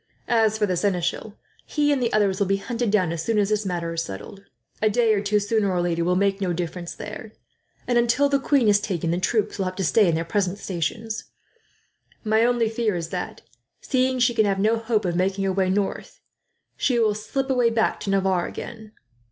As for the seneschal, he and the others will be hunted down, as soon as this matter is settled. A day or two, sooner or later, will make no difference there and, until the queen is taken, the troops will have to stay in their present stations. "My only fear is that, seeing she can have no hope of making her way north, she will slip away back to Navarre again.